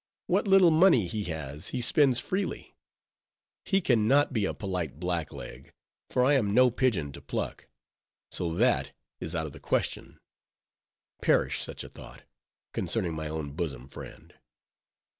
What little money he has, he spends freely; he can not be a polite blackleg, for I am no pigeon to pluck; so that is out of the question;—perish such a thought, concerning my own bosom friend!